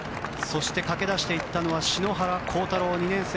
そして駆け出していったのは篠原倖太朗、２年生。